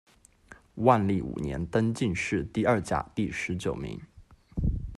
万历五年，登进士第二甲第十九名。